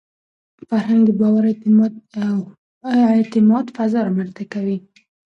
فرهنګ د باور او اعتماد فضا رامنځته کوي.